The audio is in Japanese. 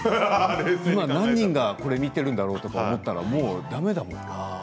今、何人がこれを見ているんだろうと思ったらもうだめだもの。